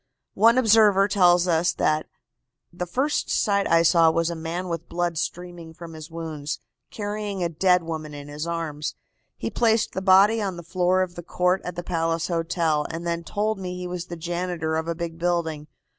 One observer tells us that "the first sight I saw was a man with blood streaming from his wounds, carrying a dead woman in his arms. He placed the body on the floor of the court at the Palace Hotel, and then told me he was the janitor of a big building.